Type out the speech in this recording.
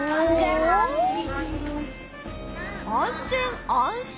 「安全・安心」？